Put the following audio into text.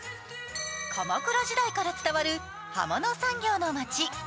鎌倉時代から伝わる刃物産業の町。